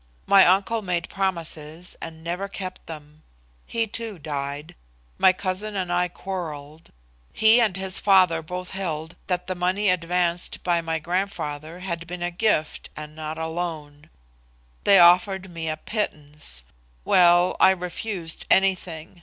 My uncle made promises and never kept them. He, too, died. My cousin and I quarrelled. He and his father both held that the money advanced by my grandfather had been a gift and not a loan. They offered me a pittance. Well, I refused anything.